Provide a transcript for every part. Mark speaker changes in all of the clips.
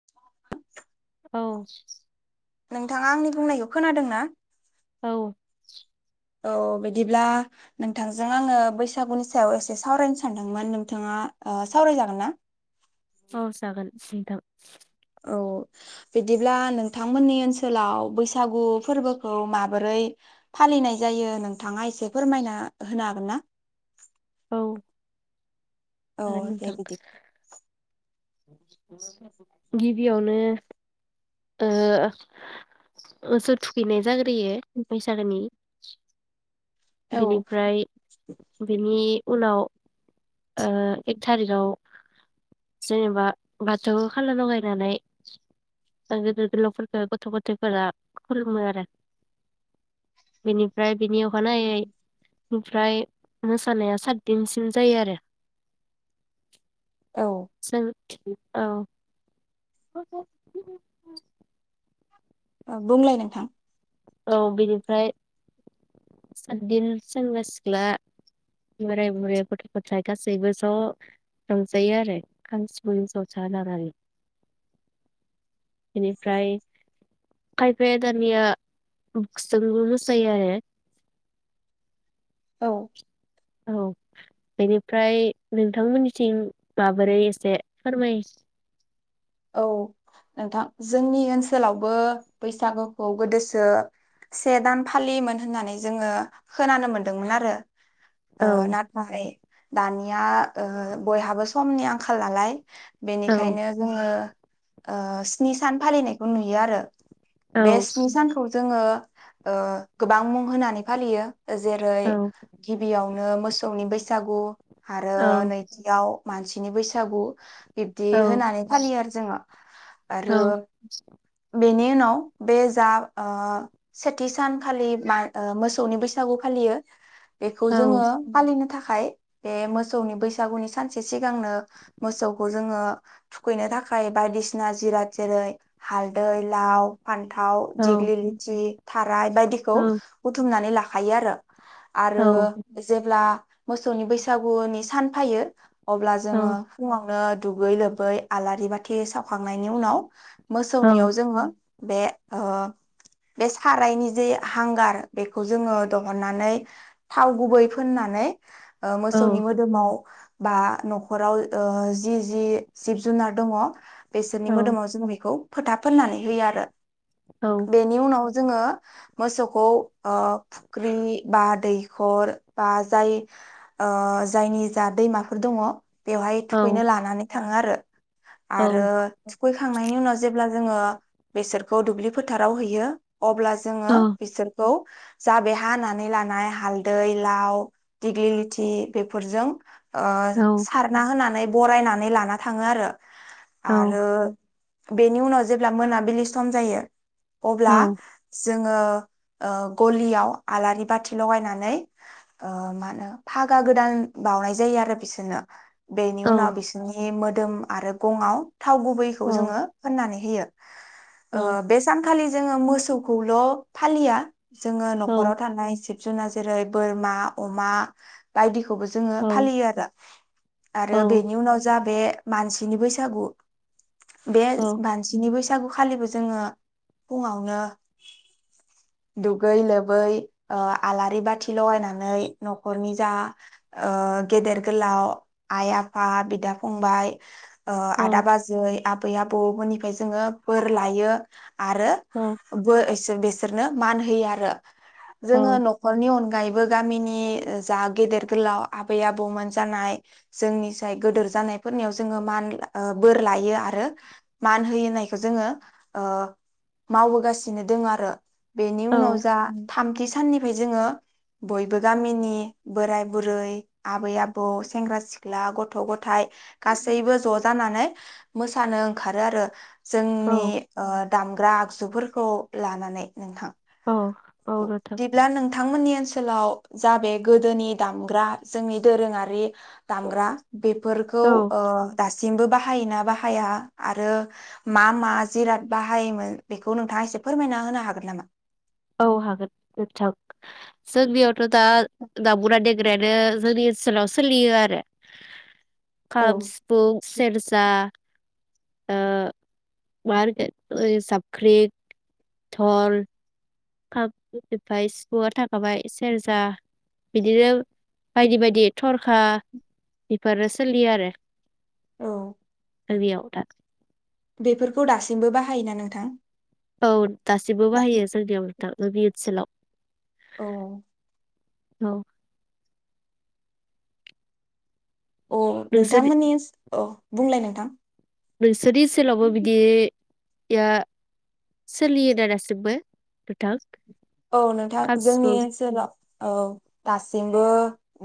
Speaker 1: [inaudible]
Speaker 2: औ
Speaker 1: नोंथाङा आंनि बुंनायखौ खोनादों ना?
Speaker 2: औ
Speaker 1: औ बिदिब्ला नोंथांजों आङो बैसागुनि सायाव एसे सावरायनो सानदोंमोन। नोंथाङा ओ सावरायजागोन ना?
Speaker 2: औ जागोन नोंथां
Speaker 1: औ बिदिब्ला नोंथांमोननि ओनसोलाव बैसागु फोरबोखौ माबोरै फालिनाय जायो नोंथाङा एसे फोरमायना होनो हागोन ना?
Speaker 2: [unintelligible]
Speaker 1: औ
Speaker 2: जागोन
Speaker 1: दे
Speaker 2: नोंथां
Speaker 1: बिदि
Speaker 2: गिबियावनो ओ मोसौ थुखैनाय जाग्रो फैयो बैसागोनि [inaudible]
Speaker 1: औ
Speaker 2: बेनिफ्राय बिनि उनाव ओ एक थारिखआव जेनेबा बाथौ खाला लगायनानै गिदोर गोलावफोरखौ गथ' गथायफोरा खुलुमो आरो बेनि फ्राय बेनि अखा नायै ओमफ्राय मोसानाया सातदिनसिम जायो आरो
Speaker 1: औ
Speaker 2: जों औ
Speaker 1: बुंलाय नोंथां
Speaker 2: औ बिनिफ्राय सातदिन सेंग्रा सिख्ला बोराय बुरै गथ' गथायाइ गासैबो ज' रंजायो आरो खाम सिफुं जाथा लानानै बेनिफ्राय खायफायादानिया बसजों मोसायो आरो
Speaker 1: औ
Speaker 2: औ बेनिफ्राय नोंथांमोननिथिं माबोरै एसे फोरमाय
Speaker 1: औ नोंथां जोंनि ओनसोलावबो बैसागुखौ गोदोसो से दान फालियोमोन होननानै जोङो खोनानो मोनदोंमोन आरो
Speaker 2: औ
Speaker 1: ओ नाथाय दानिया ओ बयहाबो समनि आंखाल नालाय
Speaker 2: औ
Speaker 1: बेनिखायनो जोङो ओ स्नि सान फालिनायखौ नुयो आरो
Speaker 2: औ
Speaker 1: बे स्नि सानखौ जोङो ओ गोबां मुं होनानै फालियो जेरै
Speaker 2: औ
Speaker 1: गिबियाव मोसौनि बैसागु आरो
Speaker 2: औ
Speaker 1: नैथियाव मानसिनि बैसागु बिब्दि
Speaker 2: औ
Speaker 1: होनानै फालियो आरो। जोंङो आरो
Speaker 2: औ
Speaker 1: बेनि बेनि उनाव बे जा ओ सेथि सानखालि मोसौनि बैसागु फालियो। बेखौ
Speaker 2: औ
Speaker 1: जोङो फालिनो थाखा। थाखाय बे मोसौनि बैसागुनि सानसे सिगांनो मोसौखौ जोङो थुखैनो थाखाय। थाखाय बायदिसिना जिराद जेरै हालदै लाव। फान्थाव
Speaker 2: औ
Speaker 1: दिग्लिलिथि थाराय बायदिखौ
Speaker 2: औ
Speaker 1: बुथुमनानै ला। हायो आरो।
Speaker 2: औ
Speaker 1: आरो जेब्ला। मोसौनि बैसागुनि सान फैयो। अब्ला
Speaker 2: औ
Speaker 1: जोङो फुङावनो। दुगैयै लोबै आलारि बाथि। बाथि सावखांनायनि उनाव।
Speaker 2: औ
Speaker 1: मोसौनियाव जोंङो। बे बे सारायनि जे हांगार बेखौ जोंङो दिहुननानै थाव गुबै फोननानै। मोसौनि
Speaker 2: औ
Speaker 1: मोदोमाव। बा नखराव ओ जि जि जिब जुनार दङ। बेसोरनि
Speaker 2: औ
Speaker 1: मोदोमाव जोंङो बेखौ। फोथा फोननानै होयो आरो।
Speaker 2: औ
Speaker 1: बेनि उनाव। जोंङो मोसौखौ फख्रि बा दैखर बा जाय जायनि जा दैमाफोर दङ। बेवहाय थुखैनो लानानै। थाङो आरो। आरो थुखै। थांनायनि उनाव जेब्ला जोंङो बेसोरखौ दुब्लि फोथाराव हैयो अब्ला जोंङो बिसोरखौ जा बे हानानै लानाय हालदै लाव दिग्लि लिथि बेफोरजों। ओ
Speaker 2: औ
Speaker 1: सारना होनानै। बरायनानै लाना थाङो आरो।
Speaker 2: औ
Speaker 1: आरो। बेनि उनाव जेब्ला मोनाबिलि सम जायो। अब्ला। जोंङो गलियाव आलारि बाथि लगायनानै मा होनो फागा गोदान बावनाय जायो आरो बिसोरनो। बेनि उनाव बिसोरनि मोदोमाव। मोदोम आरो। [unintelligible] थाव गुबैखौ जोंङो फुनानै होयो। ओ बे सानखालि जोंङो मोसौखौल' फालिया। जोंङो नखराव थानाय जेरै बोरमा अमा बायदि [unintelligible] जोंङो
Speaker 2: औ
Speaker 1: फालियो आरो आरो
Speaker 2: औ
Speaker 1: बेनि उनाव जा बे मानसिनि बैसागु। बैसागु। बे
Speaker 2: औ
Speaker 1: [unintelligible] बैसागुखालिबो जोंङो फुङावनो दुगैयै लोबै आलारि बाथि लगायनानै नखरनि जा ओ गेदेर गोलाव आइ आफा बिदा फंबाय। ओ आदा
Speaker 2: औ
Speaker 1: बाजै। आबै- आबौफोरनिफ्राय जोङो बोर लायो। आरो
Speaker 2: औ
Speaker 1: [unintelligible] बिसोरनो मान होयो आरो। जोङो
Speaker 2: औ
Speaker 1: न'खरनि [unintelligible] अनगायैबो गामिनि जा गेदेर गोलाव आबै -आबौमोन जानाय जोंनि जाय गोदोर जानायफोरनियाव जोङो मान बोर लायो आरो मान होयोनायखौ जोङो मावबोगासिनो दङ आरो। बेनि उनाव
Speaker 2: औ
Speaker 1: जा थामथि [unintelligible] साननिफ्राय जोङो बयबो गामिनि बोराय- बुरै, आबै- आबौ, सेंग्रा- सिख्ला, गथ'- गथाय गासैबो ज' ज' जानानै मोसानो ओंखारो आरो। जोंनि
Speaker 2: औ
Speaker 1: ओ दामग्रा -आगजुफोर [unintelligible] लानानै नोंथां।
Speaker 2: औ औ नोंथां
Speaker 1: बिदिब्ला नोंथांमोननि [unintelligible] ओनसोलाव जा बे गोदोनि दामग्रा जोंनि दोरोङारि दामग्रा बेफोरखौ
Speaker 2: औ
Speaker 1: ओ दासिम दासिमबो बाहायोना बाहाया आरो मा मा जिराद बाहायोमोन बेखौ नोंथाङा एसे फोरमायना होनो हागोन नामा?
Speaker 2: औ हागोन नोंथां जोंनियावथ' दा दामग्रा- देग्रायानो जोंनि ओनसोलाव सोलियो आरो।
Speaker 1: औ
Speaker 2: खाम, सिफुं सेरजा ओ माहोनगोन ओरै जाबख्रिं, डल खाम [unintelligible] सिफुंआ थाखाबाय सेरजा बिदिनो बायदि बायदि थरखा बेफोरो सोलियो आरो।
Speaker 1: औ
Speaker 2: [unintelligible]
Speaker 1: बेफोरखौ दासिमबो बाहायोना नोंथां?
Speaker 2: औ। दासिबबो बाहायो जोंनियाव। दाबो बे ओसोलाव
Speaker 1: औ।
Speaker 2: औ।
Speaker 1: अ
Speaker 2: नोंसोर
Speaker 1: नोंथांमोननि ओ औ बुंलाय नोंथां।
Speaker 2: बो जुदि सोलावबो बिदि यासोलियो दा दासिमबो नोंथां?
Speaker 1: औ नोंथां
Speaker 2: खाम
Speaker 1: जोंनि
Speaker 2: सिफुं
Speaker 1: ओनसोलाव औ दासिमबो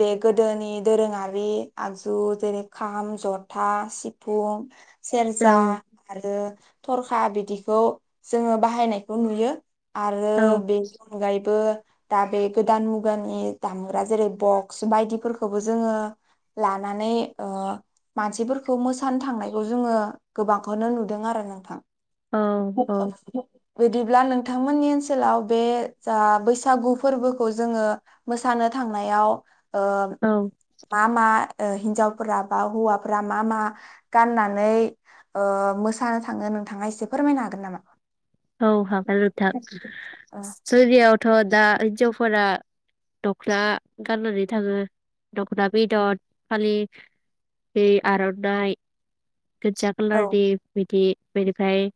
Speaker 1: बे गोदोनि दोरोङारि आगजु जेरै खाम जथा सिफुं
Speaker 2: औ
Speaker 1: सेरजा आरो थरखा थां बिदिखौ जोङो बाहायनायखौ नुयो।
Speaker 2: औ
Speaker 1: आरो बे बेबो दा बे गोदान मुगानि दामग्रा जेरै बक्स बायदिफोरखौबो जोङो लानानै ओ मानसिफोरखौ मोसानो थांनायखौ जोङो गोबांखौनो नुदों आरो नोंथां।
Speaker 2: औ औ
Speaker 1: [unintelligible] बिदिब्ला नोंथांमोननि ओनसोलाव बे जा बैसागु फोरबोखौ जोङो मोसानो थांनायाव ओ
Speaker 2: औ
Speaker 1: मा मा ओ हिन्जावफोरा बा हौवाफोरा मा मा गाननानै ओ मोसानो थाङो नोंथाङा एसे फोरमायनो हागोन नामा?
Speaker 2: औ हागोन नोंथां। जोंनियावथ' दा हिनजावफोरा द'खना गाननानै थाङो दखना बेदर फालि दै आरनाइ। गोजा
Speaker 1: ओ
Speaker 2: खालारनि बिदि। बेनिफ्राय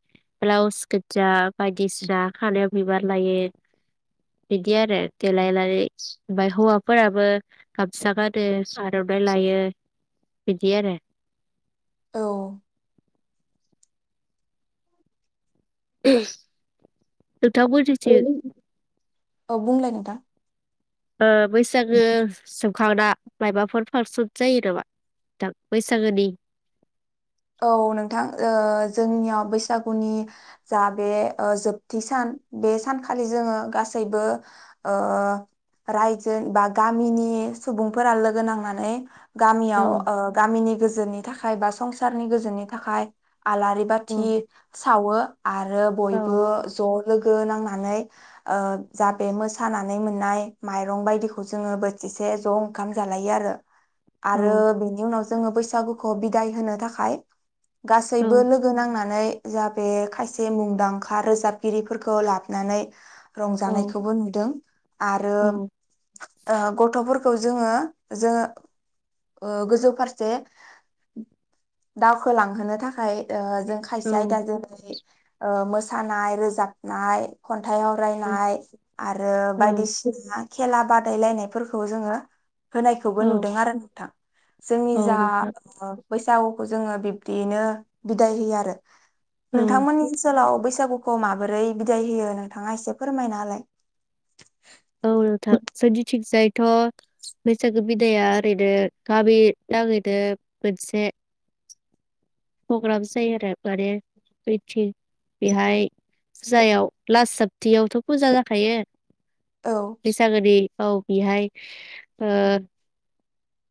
Speaker 2: ब्लाउस गोजा बायदिसिना खानायाव बिबार लायो बिदि आरो देलायनानै ओमफ्राय हौवाफोराबो गामसा गारो आरनाइ लायो बिदि आरो।
Speaker 1: औ।
Speaker 2: [inaudible] नोंथां मोननि थिं।
Speaker 1: औ बुंलाय नोंथां
Speaker 2: ओ बैसागो जोब खांना मायबाफोर फारसन जायो नामा बैसागोनि?
Speaker 1: औ नोंथां ओ जोंनियाव बैसागुनि जा बे जोबथि सान बे सानखालि जोङो गासैबो ओ रायजो बा गामिनि सुबुंफोरा लोगो नांनानै।
Speaker 2: औ
Speaker 1: गामियाव ओ गामिनि गोजोननि थाखाय बा संसार सारनि गोजोननि थाखाय आलारि
Speaker 2: औ
Speaker 1: बाथि सावो। आरो
Speaker 2: औ
Speaker 1: बयबो ज लोगो नांनानै ओ जा बेे मोसानानै मोननाय माइरं बायदिखौ जोङो बोथिसे ज ओंखाम जालायो आरो।
Speaker 2: औ
Speaker 1: आरो बेनि उनावसो। जोङो बैसागुखौ बिदाय होनो था खाय
Speaker 2: औ
Speaker 1: गासैबो लोगो नांनानै। जा बे खायसे मुंदांखा रोजाबगिरिफोरखौ लाबोनानै। रंजानायखौबो नुदों आरो
Speaker 2: औ
Speaker 1: ओ गथ'फोरखौ। खौ जोङो जोङो ओ गोजौ फारसे। दावखोलांहोनो थाखाय ओ।
Speaker 2: औ
Speaker 1: [unintelligible] मोसानाय रोजाबनाय ख न्थायाइाव रायनाय आरो
Speaker 2: औ
Speaker 1: बायदिसिना। खेला बादायलायनायफोरखौ जोङो। होनायखौबो नुदों आरो नोंथां जोंनि
Speaker 2: औ
Speaker 1: जा
Speaker 2: नोंथां
Speaker 1: बै दाव जोङो बिब्दियैनो बिदाय होयो आरो
Speaker 2: औ
Speaker 1: नोंथांमोननि ओनसोलाव बै बैसागुखौ माबोरै बिदाय होयो नोंथाङा एसे फोरमायनाहोलाय
Speaker 2: थ' बैसागो बिदाया ओरैनो गामि नाङैनो मोनसे प्रग्रामस जायो आरो माने बैथि बेहाय फुजायाव लास सापतायावथ' फुजा जाखायो
Speaker 1: औ
Speaker 2: बैसागोनि औ बेहाय ओ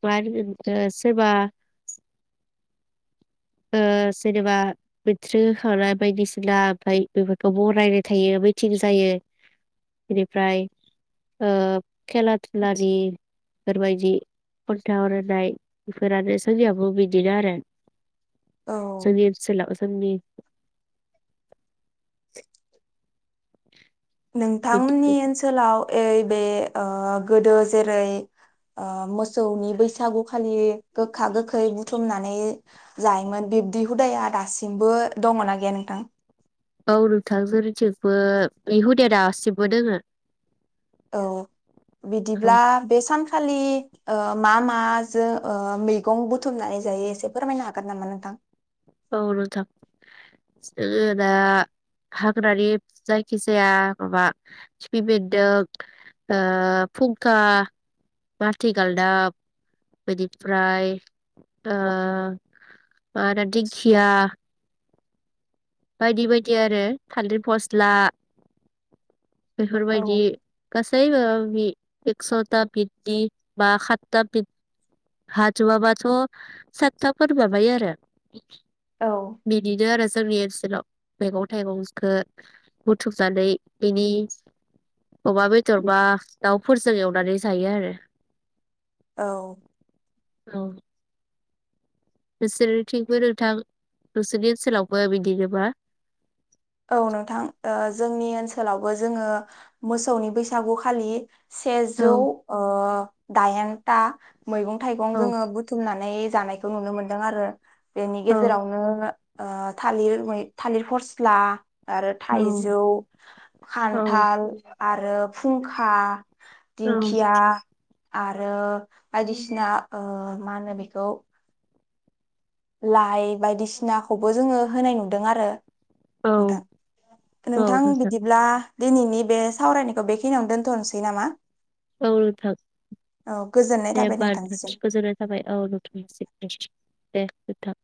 Speaker 2: मा होनगोन बेखौ सोरबा ओ जेनेबा मेट्रिक होखांनाय बायदिसिना ओमफ्राय बेफोरखौ बरायनाय थायो मिथिं जायो बेनिफ्राय ओ खेला धुलानि बेफोरबायदि खन्थाइ आवरायनाय बेफोरानो जोंनियाबो बिदिनो आरो
Speaker 1: औ
Speaker 2: जोंनि ओनसोलाव जोंनि [inaudible]
Speaker 1: नोंथांमोननि
Speaker 2: औ
Speaker 1: ओनसोलाव ओइ बे ओ गोदो जेरै ओ मोसौनि बैसागुखालि गोखा गोखै बुथुमनानै जायोमोन बिब्दि हुदाया दासिमबो दङना गैया नोंथां
Speaker 2: औ नोंथां जोंनिथिंबो बे हुदाया दासिमबो दोङो
Speaker 1: औ बिदिब्ला
Speaker 2: औ
Speaker 1: बे सान खालि ओ मा माजो मैगं बुथुमनानै जायो एसे फोरमायनो हागोन नामा नोंथां
Speaker 2: औ नोंथां जोङो दा हाग्रानि जायखि जाया माबा खिफि बेन्दों ओ फुंखा माथि गालदाब बेनिफ्राय ओ मा होनो दिं खिया बायदि बायदि आरो थालिर फस्ला
Speaker 1: औ
Speaker 2: बेफोरबायदि गासै है माबा माबि एकस'था बिदनि मा सातथा बिद हाजुबाबाथ' सातथाफोर माबायो आरो
Speaker 1: औ
Speaker 2: बिदिनो आरो [unintelligible] [unintelligible] मेगं -थाइगंसखो बुथुमनानै बेनि अमा बेदर बा दाउफोरजों एवनानै जायो आरो
Speaker 1: औ
Speaker 2: औ नोंसोरथिंबो नोंथां नोंसोरनि ओनसोलावबो बिदिनोबा
Speaker 1: औ नोंथां ओ जोंनि ओनसोलावबो जोङो मोसौनि बैसागु खालि
Speaker 2: औ
Speaker 1: सेजौ ओ दायेनता मैगं -थाइगं
Speaker 2: औ
Speaker 1: जोङो बुथुमनानै जानायखौ नुनो मोन्दों आरो बेनि
Speaker 2: औ
Speaker 1: गेजेरावनो ओ थालिर मै थालिर फर्स स्ला आरो
Speaker 2: औ
Speaker 1: थाइजौ
Speaker 2: औ
Speaker 1: खान्थाल आरो फुंखा दिंखिया आरो बायदिसिना ओ मा होनो बेखौ लाइ बायदिसिनाखौबो जोङो होनाय नुदों आरो
Speaker 2: औ
Speaker 1: नोंथां नोंथां बिदिब्ला दिनैनि बे सावरायनायखौ बेखिनियावनो दोन्थनोसै नामा
Speaker 2: औ नोंथां
Speaker 1: औ गोजोननाय
Speaker 2: दे
Speaker 1: थाबाय
Speaker 2: बा
Speaker 1: नोंथांनिसिम
Speaker 2: गोजोननाय थाबाय औ नोंथांनिसिम दे जोबथा